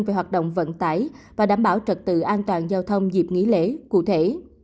về hoạt động vận tải và đảm bảo trật tự an toàn giao thông dịp nghỉ lễ cụ thể